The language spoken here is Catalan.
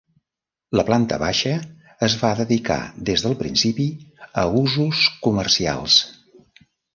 La planta baixa es va dedicar des del principi a usos comercials.